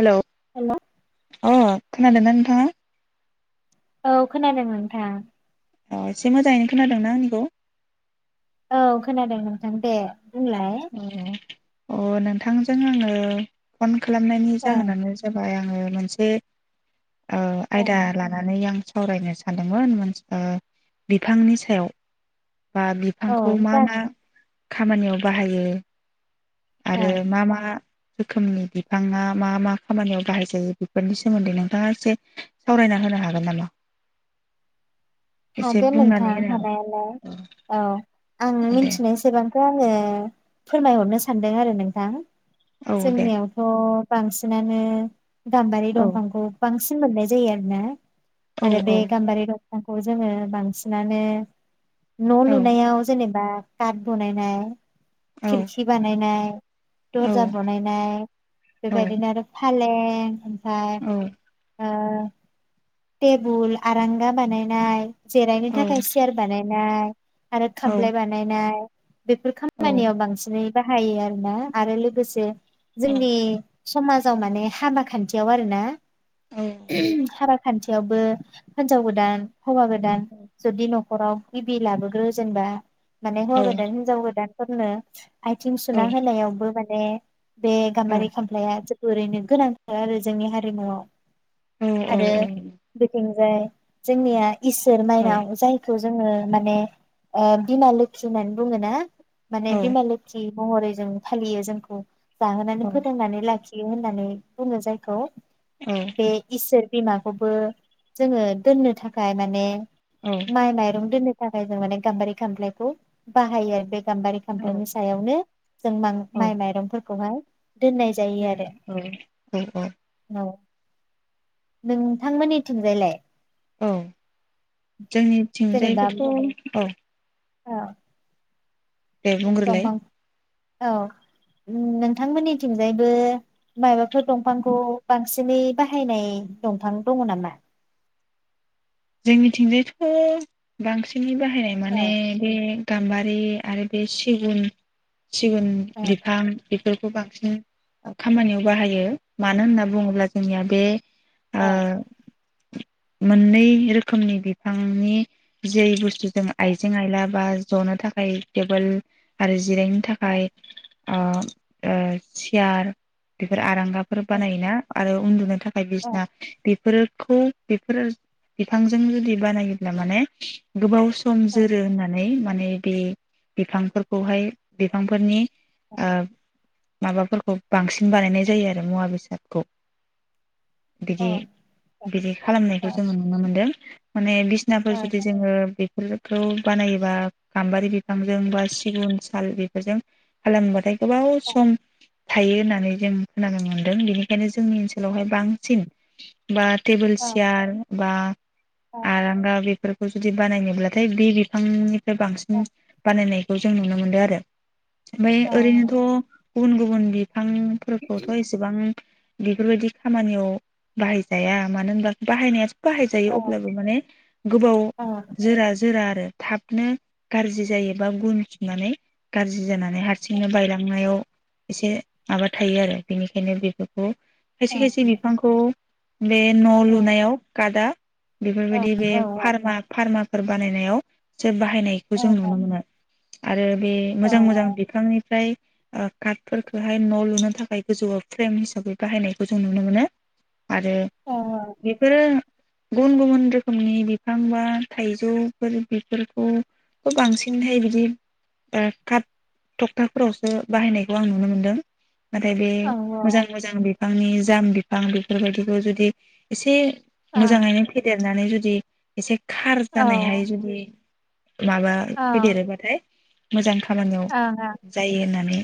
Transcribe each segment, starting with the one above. Hello hello अ। खोनादोंना नोंथाङा? औ खोनादों नोंथां। औ एसे मोजाङैनो खोनादोंना आंनिखौ? औ खोनादों नोंथां दे। बुंलाय औ। अ नोंथांजों आङो फन खालामनायनि ओं जाहोनानो जाबाय आङो मोनसे औ आयदा ओं लानानै आं सावरायनो सानदोंमोन‌ मोनस ओ बिफांनि सायाव। बा औ बिफांखौ मा जा मा खामानियाव बाहायो। आरो ओं मा मा रोखोमनि बिफाङा मा मा खामानियाव बाहाय जायो बेफोरनि सोमोन्दै नोंथाङा एसे सावरायना होनो हागोन नामा? एसे हागोन बुंनानै नोंथां होनो हागोन हानायालाय औ। आं दे मिनथिनायसेबां खौ आङो फोरमायहरनो सानदों आरो नोंथां। औ दे जोंनियावथ'। बांसिनानो गाम्बारि औ दंफांखौ बांसि सिन मोननाय जायोना। आरो बे दोननाय गामबायारि दं खौ जोङो बांसिनानो न' औ लुनायाव जेने बा काद बनायनाय खिरखि बानायनाय औ दर्जा बनायनाय बेबायदिनो आरो फा फालें ओम - फाय ओ थेबुल, आरांगा बानाय नाय जिरायनो थाखाय सियार बानायनाय आरो खामफ्लाय बानायनाय बेफोर खामानियाव बांसिनै बाहायो आरो ना आरो लोगोसे जोंनि समाजाव माने हाबा खान्थियाव आरो ना हाराग खान्थियावबो हिनजाव गोदान। हौवा गोदान जुदि न'खराव गिबि लाबोग्रो जेनेबा। माने हौवा हिनजाव गोदान। फोरनो आथिं सुना होनायावबो दङ। बे गाम्बारि खामफ्लाया। ओरैनो गोनांथार आरो जोंनि हारिमुआव। आरो बेफोरनि - फ्राय जोंनिया। इसोर माइनाव जायखौ जोङो माने बिमा लोखि होननानै बुङो ना? माने बिमा लोखि महरै जों फालियो जोंखौ जाहोनानै फोथांनानै लाखि बियो होननानै बुङो जायखौ बे इसोर। बिमाखौबो जोङो दोननो थाखाय गाय माने। माइ माइरं दोननो थाखाय जों माने गाम्बारि खाम्लायखौ बाहायो आरो बे गाम्बारि खामफनि सायावनो जों म माइ माइरंफोरखौहाय दोननाय जायो आरो न नोंथांमोननि थुनजायलाय। औ जेनेबा जोंनिथिंजायबोथ' औ औ। दे बुंग्रोलाय। दंफां औ नोंथांमोननिथिंजायबो माबाफोर दंफांखौ बांसिनै बाहायनाय दंफां दङ नामा? जोंनिथिंजायथ' बांसिनै बाहाय बाहायनाय औ माने बे गामबारि आरो बे सिगुन सिगुन ओं बिफां बेफोरखौ बांसिन खामानियाव बाहायो मानो होनना बुङोब्ला जोंनिया बे ओ। मोननै रोखोमनि बिफांनि जे बुस्थु जों आइजें आइला बा जनो थाखाय थेबोल आरो जिरायनो थाखाय अ ओ सियार बेफोर आरां गाबाफोर ओ बानायोना आरो उन्दुनो थाखाय ओ बायदिसिना बेफोरो खौ बेफोरो बिफांजों जुदि बानायोब्ला माने गोबाव सम ओ जोरो होननानै माने बे बिफां फोरखौहाय बिफां फोरनि ओ माबाफोरखौ बांसिन बानायनाय जायो आरो मुवा बेसादखौ। ओ बिदि बिदि ओ खालामनायखौ जोङो नुनो मोनदों। माने बिसना फोर जुदि जोङो बे फोरखौ बानायोबा गाम्बारि बिफांजों बा सिगुन साल बेफोरजों खालाम बाथाय गोबाव सम थायो होननानै जों खोनानो मोनदों बेनिखायनो जोंनि ओनसोलावहाय बांसिन बा टेबोल ओ चियार बा आरांगा बेफोर खौ जुदि बानायनो ब्लाथाय बे बिफांनि फ्राय बांसिन ओ बानायनाय बेखौ जों नुनो मोनदों आरो। ओमफाय औ ओरैनोथ' गुबुन गुबुन बि फां फोरखौथ' एसेबां बेफोरबायदि खामानियाव बाहायजाया मानो होनबा बाहायनाय बाहाय जायो अब्लाबो माने गोबाव जोरा जोरा आरो थाबनो गाज्रि जायोबा गुन सुननानै गाज्रि जानानै हारसिंनो बायलांनायाव एसे माबा थायो आरो बेनिखायनो बेफोरखौ खायसे खायसे बिफांखौ बे न' लुनायाव आदा बेफोरबायदि बे फार्मा फार्मा फोर बानायनायाव बे बाहायनायखौ जों नुनो मोनो। आरो बे मोजां मोजां बिफांनिफ्राय ओ काटफोरखौहाय न' लुनो थाखाय गोजौआव फ्रेम हिसाबै बाहायनायखौ जों नुनो मोनो। आरो बेफोरो गुबुन गुबुन रोखोमनि बिफां बा थाइजौफोर बेफोरखौबो बांसिनहाय बिदि बा काट थखथाफोरावसो बाहायनायखौ आं नुनो मोनदों। नाथाय बे मोजां मोजां बि फांनि जाम बिफां बेफोरबायदिखौ जुदि एसे मोजाङैनो फेदेरनानै जुदि एसे खार औ जानायहाय जुदि माबा ओं फैदेरोबाथाय मोजां खामानियाव ओं जायो होननानै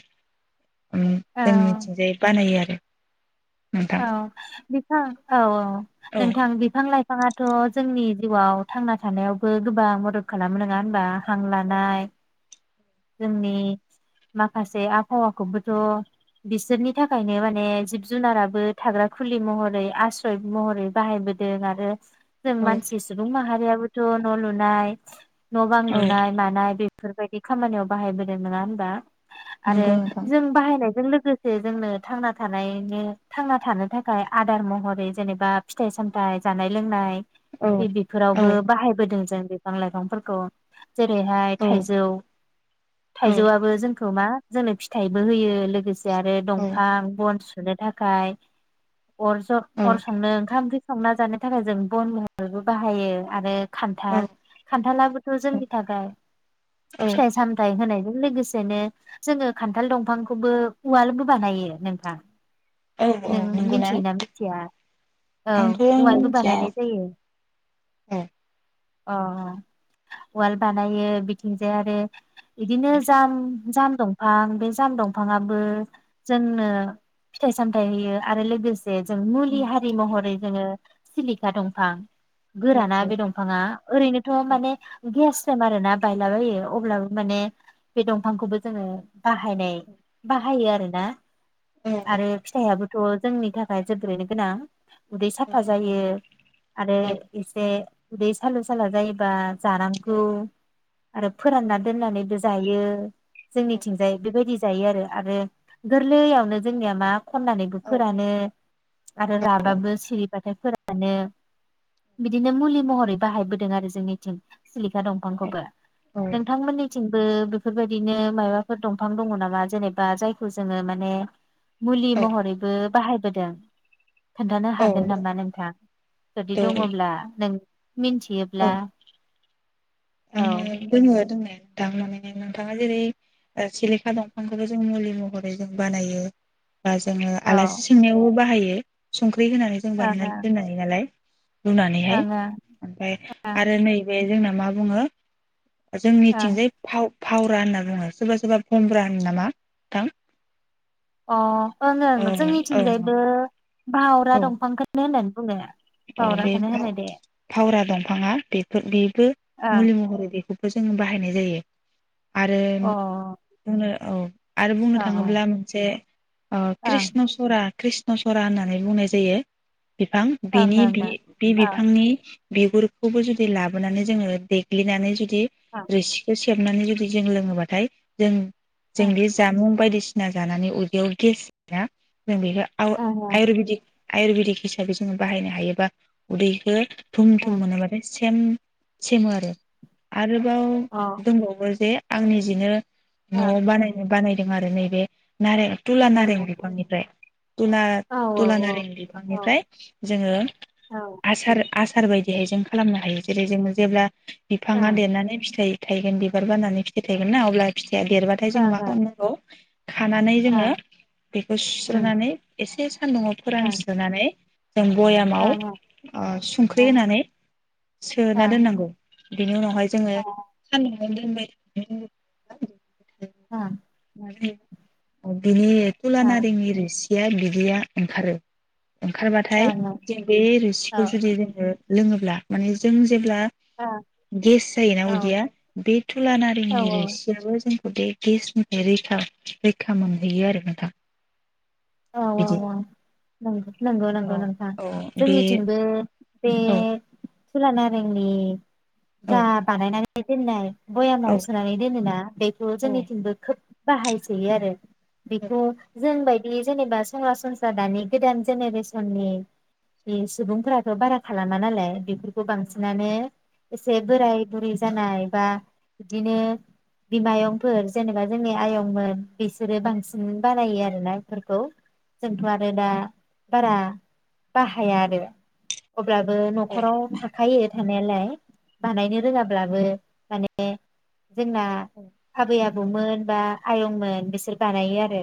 ओम औ जोंनिजाय बानायो आरो। दे औ बिफां औ औ औ नोंथां बिफां लाइ फाङाथ' जोंनि जिउआव थांना थानायावबो गोबां मदद खालामो नङा होनबा। हां लानाय जोंनि माखासे आबहावाखौबोथ' बिसोरनि थाखायनो माने जिब जुनाराबो थाग्रा खुलि महरै आसश्रय महरै बाहायबोदों आरो जों औ मानसि सुबुं माहारियाबो थ' न' लुनाय न' बां औ लुनाय मानाय बे फोरबायदि खामानियाव बाहायबोदों नङा होनबा। आरो नंगौ नोंथां जों बाहायनाय जों लोगोसे जोंनो थांना थानायनि थांना थानो थाखाय आदार महरै जेनेबा फिथाइ सामथाइ जानाय लोंनाय औ बेफोरावबो बाहायबोदों जों। बिफां लायफांफोरखौ जेरैहाय औ थाइजौ औ थाइजौआबो जों खौ मा जोंनो फिथाइबो होयो लोगोसे आरो औ दंफां बनु नो थाखाय अर ज अर संनो ओंखाम ओंख्रि संना जानो थाखाय जों बन महरबो बाहायो आरो औ खान्थाल खान्थालाबोथ' जोंनि औ थाखाय सामथाय होनाय लोगोसेनो जोङो खान्थाल दंफांखौबो उवालबो बानायो नोंथां औ नों औ नंगौना मिथियोना मिथिया औ आंथ' औवायाबो मिथिया बानायनाय जायो। औ ओ उवाल बानायो बिथिंजाय आरो बिदिनो औ जाम जाम दंफां बे जाम दंफांङाबो जोंनो फिथाइ सामथाइ होयो आरो लोगोसे जों मुलि उम हारि महरै जोङो सिलिखा औ दंफां औ गोराना औ बे दंफाङा ओरैनोथ' माने गेस मार आरो ना बायलाबायो अब्लाबो माने बे दंफांखौबो जोङो बाहायनाय बाहायो आरो ना औ आरो फिथाइयाबो थ' जोंनि थाखाय जोबोरैनो गोनां उदै साफा जायो आरो एसे उदै सालु साला जायोबा जानांगौ आरो फोराननानै बो जायो जोंनिथिंजायै बेबायदि जायो आरो आरो गोरलैयावनो जोंनिया मा खननानैबो फोरानो आरो राबाबो सिरि [unintelligible] फोरानो बिदिनो मुलि महरै बाहायबोदों आरो जोंनिथिं। सिलिखा दंफांखौबो नों थिंबो बेफोरबायदिनो मायबाफोर दंफां दङ नामा जेनेबा जायखौ जोङो माने मुलि महरैबो बाहाय बोदों खोन्थानो औ हागोन नामा नोंथां जुदि औ दङब्ला नों मिन्थियोब्ला औ औ [unintelligible] दोङो दोंना नोंथां माने नोंथाङा जेरै ओ सिलेखा दंफांखौबो जों मुलि महरै जों बानायो। बा जोङो ओं आलासि सोंनायावबो बाहायो। ए सं ख्रै होनानै जों ओं बानायनानै दोननो हायो नालाय। रुनानैहाय ओं ओं ओमफ्राय आरो ओं नैबे जोंना बुंङो ओं जोंनिथिंजाय फाव फावरा होनना बुङो सोरबा सोरबा बमब्रा होना नामा नोंथां? अ ओं ओं औ जोंनिथिंजायबो भावरा दंफांखोनो होनो। [unintelligible] अ बे दे फाव-फावरा दंफाङा बेफोर बेबो ओं मुलि महरै बेखोबो जोङो बाहायनाय जायो। आरो अ ओं जोंनो औ आरो बुंनो ओं थाङोब्ला मोनसे ओ ओं कृष्णसुरा कृष्ण नसरा होननानै बुंनाय जायो बिफां ओं बिनि ओं ओं बि बे बिफांनि बिगुरखौबो जुदि लाबोनानै जोङो देग्लिनानै जुदि रोसि सेबनानै जुदि जों लोङोबाथाय जों जों ओं बे जामुं बायदि सिना जानानै उदैयाव गेस जायोना। नों बेखौ ओं अ आयु-आयुरुवेदिक आयुरबेडिक हिसाबै जों बाहायनो हायोबा उदैखो थुम ओं थुम ओं मानोबाथाय सेम सेमो आरो आरो। औ बाव दंबावो जे आं निजेनो औ नआव बानायनो बानाय आरो नैबे नारें तुला नारें औ बिफांनिफ्राय तुला तुला नारें औ बिफांनिफ्राय जोङो आसार आसार बायदिहाय जों खालामनो हायो जेरै जोङो जेब्ला बिफाङा देरनानै फिथाइ थायगोन बिबार बाननानै फिथाइ थायगोना अब्ला। फिथाया देरबाथाय जोङो ओं ओं मा ओं ओं खालामनांगौ खानानै जोङो बेखौ उम सुस्रनानै एसे सान्दुंङाव ओं फोरानस्रोनानै जों भयामाव ओं ओं संख्रि होनानै अ सोना दोननांगौ बिनि उनावहाय जोङो [inaudible] आ औ बि कला नारेंं र बिया बिदैया ओंखारो ओंखारबाथाय ओं ओं जों बे औ रोसिखौ जुदि जोङो लोङोब्ला माने जों जेब्ला औ गेस जायोना औ उदैया बे थुला नारिेंनि रुसियाबो जों [unintelligible] रैखा रैखा मोनहैयो आरो नोंथां। औ औ बिदि औ नंगौ नंगौ औ नोंथां औ बे जोंनिथिंबो बे। औ थुला नारेनि औ जा बानायनाय बेदि भयामाव औ सोनानै दोनोना बेखौ औ जोंनिथिंबो खोब बाहायसै आरो। बेखौ जोंबायायदि बे जेनेबा सरासनस्रा दानि गोदान जेनेरेसननि बे सुबुंफोराथ बारा खालामा नालाय बेफोरखौ बांसिनानो एसे बोराय बुरै जानाय बा बिदिनो बिमायंफोर जेनेबा जोंनि आयंमोन। बेसोरो बांसिनमोन बानायो आरोना। बेफोरखौ जोंथ' आरो दा बारा बाहाया आरो। अब्लाबो न'खराव थाखायो थानायालाय बानायनो रोङाब्लाबो माने जोंना आबै आब बौमोन बा आयंमोन बिसोर बानायो आरो।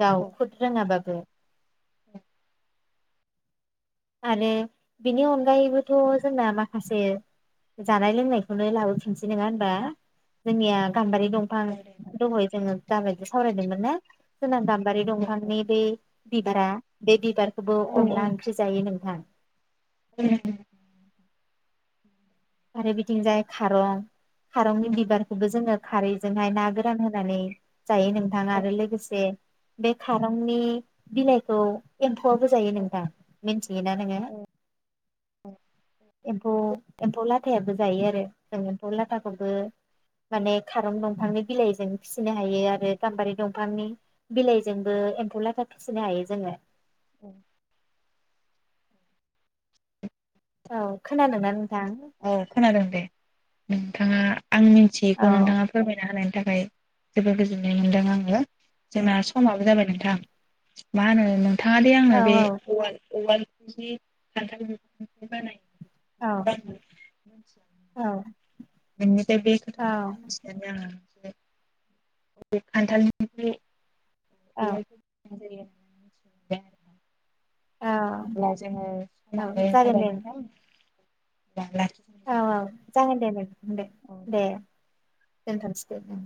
गाव औ खुद रोंआ बाबो आरो बिनि अनगायैबोथ' जोंना माखासे जानाय लोंनायखौनो लाबोफिनसै नङा हबा? जोंनिआ गाम्बारि दंफां दहय जोङो दाबायदि सावरायदोंमोन ना? ओना गाम्बारि औ औ दंफांनि बे बिबारा बे बिबार खौबो औ अनला ओंख्रि जायो नोंथां। उम आरो बिथिं जाय खारं खारंनि बिबारखौबो जोङो खारैजोंहाय ना गोरान होनानै जायो नोंथां आरो लोगोसे बे खारंनि बिलाइखौ एमफौ आबो जायो औ नोंथां मिथियोना नोङो? एम्फौ एमफौ लाथ थायाबो जायो आरो जों एम्फौ लाथाखौबो माने खारं दंफांनि बिलाइजों फिसिनो हायो आरो गाम्बारि दंफांनि बिलाइजोंबो एम्फौ लाथा फिसिनो हायो जोङो। औ। औ खोनादों ना न? औ खोनादों दे। नोंथाङा आं मिन्थियैखौ औ नोंथाङा फोरमायना होनायन थाखाय जोबोर गोजोननाय मोनदों आङो जोंना समाबो जाबाय नोंथां मा होनो थाङादि आङो औ आंनो बे ओवाल औवाल से खान्थाल बिफांजों बानायो। औ [unintelligible] औ [unintelligible] नोंनिफाय बे औ खोथाखौ मिथिनानै आंहा द [inaudible] [unintelligible] खान्थालनिफ्राय औ [unintelligible] स [inaudible] औ अब्ला जोङो औ समाबो जागोन जाबाय दे नोंथां। अब्ला औ लाखिथ'नोसै औ। नोंथां जागोन दे दे दे। दोनथ'नोसै दे